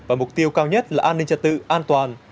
và mục tiêu cao nhất là an ninh trật tự an toàn